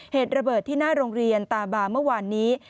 เหตุระเบิดที่หน้าโรงเรียนตาบาเมื่อวานนี้